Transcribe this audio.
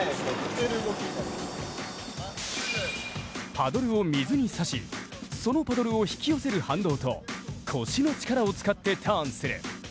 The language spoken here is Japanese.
パドルを水に刺しそのパドルを引き寄せる反動と腰の力を使ってターンする。